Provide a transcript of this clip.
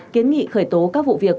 kiến nghị khởi tố các vụ việc